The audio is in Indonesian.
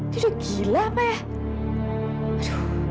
dia sudah gila apa ya